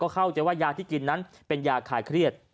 เข้าใจว่ายาที่กินนั้นเป็นยาคลายเครียด